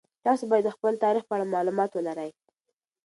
تاسو باید د خپل تاریخ په اړه مالومات ولرئ.